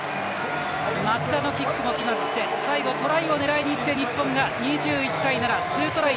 松田のキックも決まって最後、トライを狙いにいって日本が２１対７２トライ